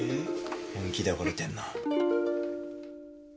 本気で惚れてんな。